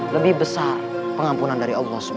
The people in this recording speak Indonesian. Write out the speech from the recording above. lebih besar pengampunan dari allah swt